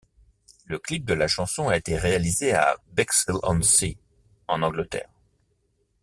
Le clip de la chanson a été réalisé à Bexhill-on-Sea, en Angleterre.